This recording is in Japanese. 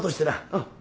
うん。